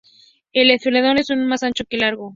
El esternón es un más ancho que largo.